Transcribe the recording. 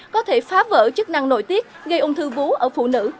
có thể phá vỡ chức năng nội tiết gây ung thư vú ở phụ nữ